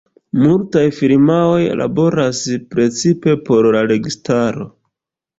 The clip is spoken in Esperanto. Multaj firmaoj laboras precipe por la registaro.